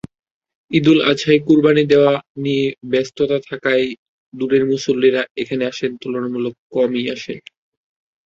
ঈদুল আজহায় কোরবানি দেওয়া নিয়ে ব্যস্ততা থাকায় দূরের মুসল্লিরা এখানে তুলনামূলক কমই আসেন।